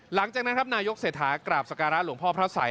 หลังจากนั้นครับนายกเศรษฐากราบสการะหลวงพ่อพระสัย